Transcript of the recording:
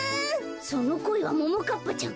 そのこえはももかっぱちゃん。